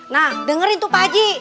nah dengerin tuh pak haji